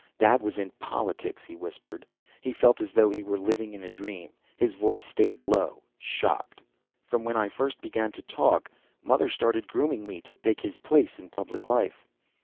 "Dad was in politics," he whispered. He felt as though he were living in a dream. His voice stayed low, shocked. "From when I first began to talk, Mother started grooming me to take his place in public life."